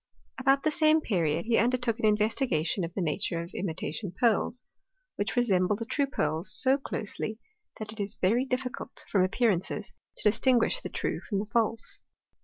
About the same period, he undertook an investigation of the nature of imitation pearls, which resemble the true pearls so closely, that it is very difficult, from ap pearances, to distinguish the true from 'the false.